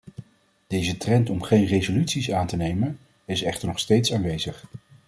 Deze trend om geen resoluties aan te nemen, is echter nog steeds aanwezig.